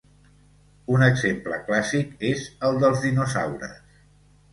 Un exemple clàssic és el dels dinosaures.